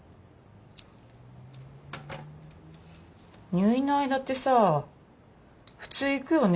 入院の間ってさ普通行くよね？